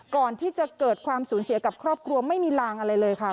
ก่อนที่จะเกิดความสูญเสียกับครอบครัวไม่มีลางอะไรเลยค่ะ